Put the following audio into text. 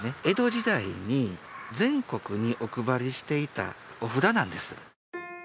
江戸時代に全国にお配りしていたお札なんです